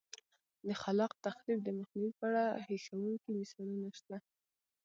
د خلاق تخریب د مخنیوي په اړه هیښوونکي مثالونه شته